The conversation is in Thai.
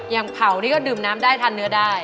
อย่างเผานี่ก็ดื่มน้ำได้ทานเนื้อได้